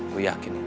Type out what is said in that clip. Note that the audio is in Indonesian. gue yakin itu